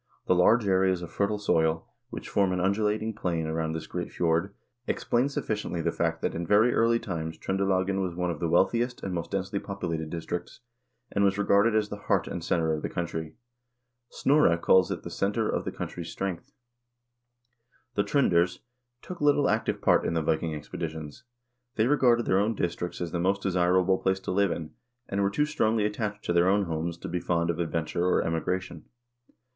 The large areas of fertile soil, which form an undulating plain around this great fjord, explain sufficiently the fact that in very early times Tr0ndelagen was one of the wealthiest and most densely populated districts, and was regarded as the heart and center of the country. Snorre calls it the "center of the coun try's strength." The Tr0nders took little active part in the Viking expeditions. They regarded their own districts as the most desir able place to live in, and were too strongly attached to their own homes to be fond of adventure or emigration.